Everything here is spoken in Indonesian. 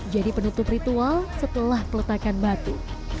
jadi penutup ritual setelah peletakan batu